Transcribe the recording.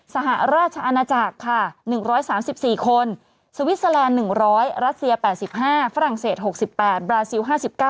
สหราชอาณาจักรค่ะ๑๓๔คนสวิสเตอร์แลนด์๑๐๐รัสเซีย๘๕ฝรั่งเศส๖๘บราซิล๕๙